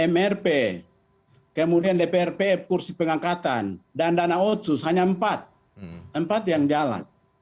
mrp kemudian dprp kursi pengangkatan dan dana otsus hanya empat empat yang jalan